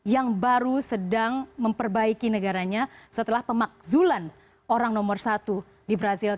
yang baru sedang memperbaiki negaranya setelah pemakzulan orang nomor satu di brazil